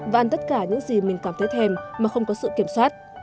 và ăn tất cả những gì mình cảm thấy thèm mà không có sự kiểm soát